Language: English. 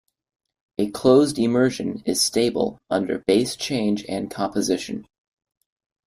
A closed immersion is stable under base change and composition.